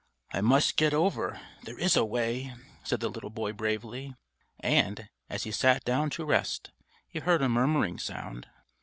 "I must get over. There is a way," said the little boy bravely; and, as he sat down to rest, he heard a murmuring sound.